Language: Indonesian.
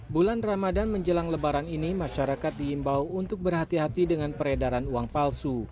bulan ramadan menjelang lebaran ini masyarakat diimbau untuk berhati hati dengan peredaran uang palsu